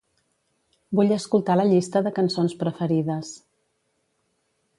Vull escoltar la llista de cançons preferides.